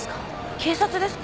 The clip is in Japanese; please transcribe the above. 警察ですか？